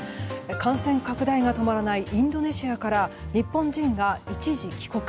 感染拡大が止まらないインドネシアから日本人が一時帰国。